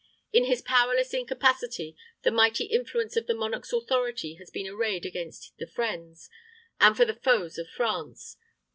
In his powerless incapacity, the mighty influence of the monarch's authority has been arrayed against the friends, and for the foes of France.